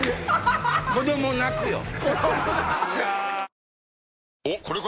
子供泣くよ。